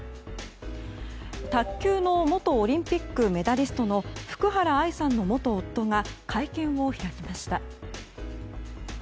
卓球の元オリンピックメダリストの福原愛さんの元夫が会見を開きました。